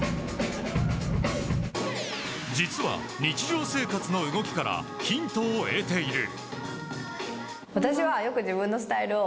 実は、日常生活の動きからヒントを得ている。